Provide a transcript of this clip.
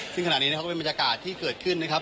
ซึ่งขณะนี้นะครับก็เป็นบรรยากาศที่เกิดขึ้นนะครับ